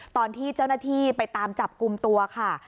ตอนที่เจ้าหน้าที่ไปตามจับกลุ่มตัวค่ะ